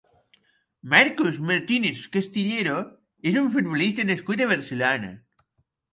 Marcos Martínez Castillero és un futbolista nascut a Barcelona.